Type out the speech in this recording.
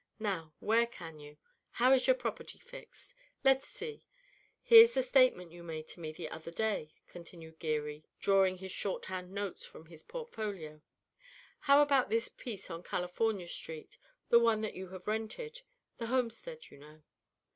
Now, where can you how is your property fixed? Let's see! Here's the statement you made to me the other day," continued Geary, drawing his shorthand notes from his portfolio. "How about this piece on California Street, the one that you have rented, the homestead, you know?"